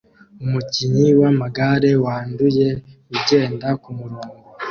Umukinnyi wamagare wanduye ugenda kumurongo